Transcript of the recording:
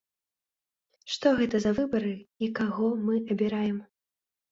Што гэта за выбары і каго мы абіраем?